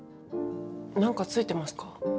何かついてますか？